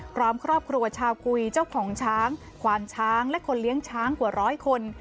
พร้อมครอบครัวชาวกุยเจ้าของช้างควานช้างและคนเลี้ยงช้างกว่าร้อยคน